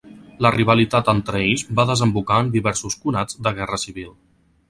La rivalitat entre ells va desembocar en diversos conats de guerra civil.